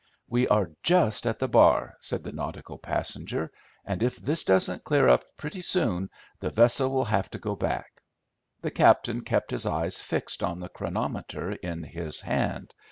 "We are just at the bar," said the nautical passenger, "and if this doesn't clear up pretty soon the vessel will have to go back." The captain kept his eyes fixed on the chronometer in his hand.